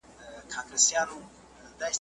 د اګسټ د میاشتي پر دیارلسمه ,